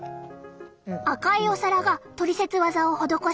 赤いお皿がトリセツワザを施したもの！